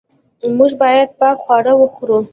موږ باید پاک خواړه وخورو.